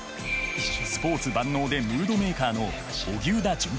スポーツ万能でムードメーカーの荻生田隼平。